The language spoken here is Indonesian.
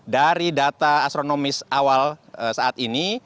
dari data astronomis awal saat ini